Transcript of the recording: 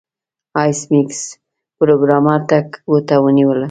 ایس میکس پروګرامر ته ګوته ونیوله